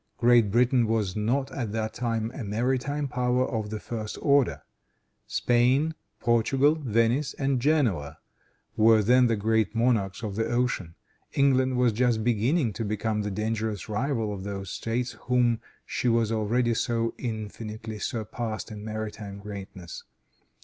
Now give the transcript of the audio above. Great Britain was not, at that time, a maritime power of the first order. Spain, Portugal, Venice and Genoa were then the great monarchs of the ocean. England was just beginning to become the dangerous rival of those States whom she has already so infinitely surpassed in maritime greatness.